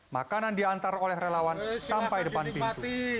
makanan diantar oleh relawan sampai depan pintu